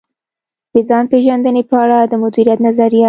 د ځان پېژندنې په اړه د مديريت نظريه.